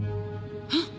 あっ！